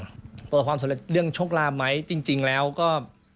ประสบความสำเร็จเรื่องโชคลาภไหมจริงแล้วก็